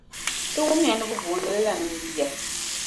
Ti wumya ni bɛ booni li la nimdi ya.